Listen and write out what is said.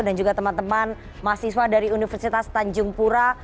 dan juga teman teman mahasiswa dari universitas tanjung pura